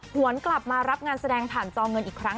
หวนกลับมารับงานแสดงผ่านจอเงินอีกครั้ง